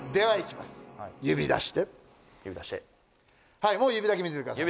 はいもう指だけ見ててください